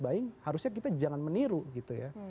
buying harusnya kita jangan meniru gitu ya